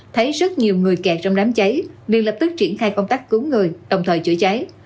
thấy rất nhiều người kẹt trong đám cháy nên lập tức triển khai công tác cứu người đồng thời chữa cháy